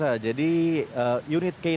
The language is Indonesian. untuk mengendus keberadaan dari narkoba